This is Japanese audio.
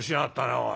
おい。